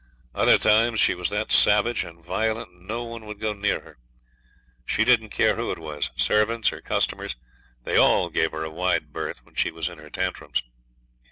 Other times she was that savage and violent no one would go near her. She didn't care who it was servants or customers, they all gave her a wide berth when she was in her tantrums.